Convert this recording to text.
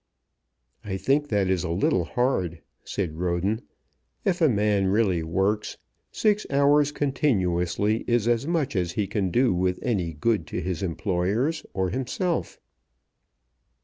"I think that is a little hard," said Roden. "If a man really works, six hours continuously is as much as he can do with any good to his employers or himself."